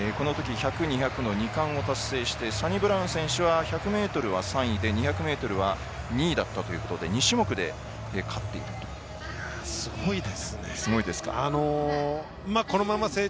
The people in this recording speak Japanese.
１００、２００、２冠を達成しましたサニブラウン選手１００ｍは３位２００ｍは２位だったということで２種目で勝っているということです。